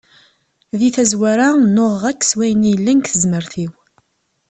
Di tazwara nnuɣeɣ akk s wayen i yellan deg tezmert-iw.